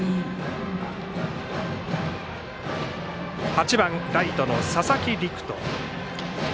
８番ライトの佐々木陸仁。